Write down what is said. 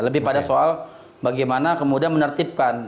lebih pada soal bagaimana kemudian menertibkan